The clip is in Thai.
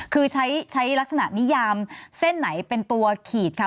คือใช้ลักษณะนิยามเส้นไหนเป็นตัวขีดค่ะ